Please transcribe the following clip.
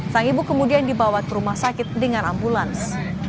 sang ibu kemudian dibawa ke rumah sakit dengan ambulans